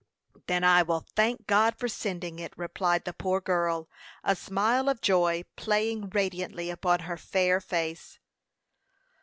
"Then I will thank God for sending it," replied the poor girl, a smile of joy playing radiantly upon her fair face.